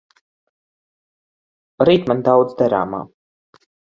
Rīt man daudz darāmā.